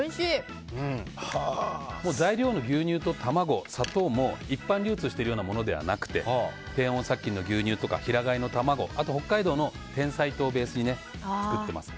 材料の牛乳と卵、砂糖も一般流通しているものではなくて低温殺菌の牛乳とかあと、北海道のてんさい糖をベースに作ってます。